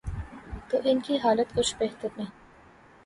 تو ان کی حالت کچھ بہتر نہیں۔